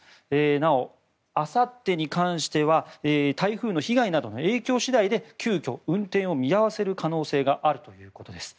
なお、あさってに関しては台風の被害などの影響次第で急きょ運転を見合わせる可能性があるということです。